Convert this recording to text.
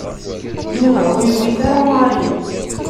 Yuba ur yewwit ara Mary.